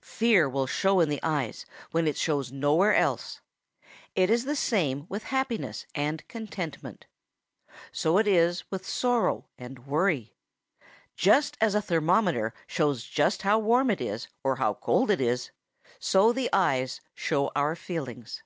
Fear will show in the eyes when it shows nowhere else. It is the same with happiness and contentment. So it is with sorrow and worry. Just as a thermometer shows just how warm it is or how cold it is, so the eyes show our feelings.